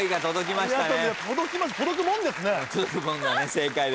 届くもんですね。